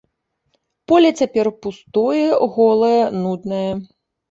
Поле цяпер пустое, голае, нуднае.